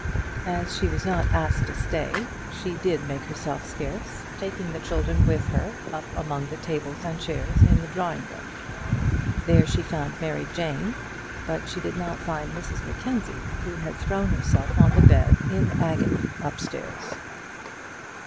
As she was not asked to stay, she did make herself scarce, taking the children with her up among the tables and chairs in the drawing room. There she found Mary Jane, but she did not find Mrs Mackenzie, who had thrown herself on the bed in her agony upstairs.